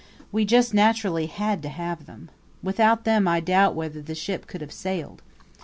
We just naturally had to have them. Without them, I doubt whether the ship could have sailed.